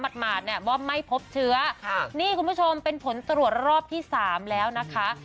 หมัดว่าไม่พบเชื้อนี่คุณผู้ชมเป็นผลตรวจรอบที่๓แล้วนะคะ